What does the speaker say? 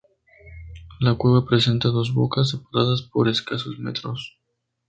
La cueva presenta dos bocas separadas por escasos metros.